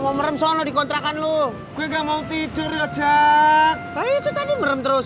mau merem sono dikontrakan lu gue nggak mau tidur ya jack baik itu tadi merem terus